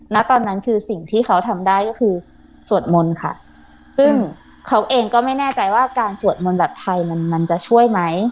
ณตอนนั้นคือสิ่งที่เขาทำได้ก็คือสวดมนต์ค่ะซึ่งเขาเองก็ไม่แน่ใจว่าการสวดมนต์แบบไทยมันมันจะช่วยไหม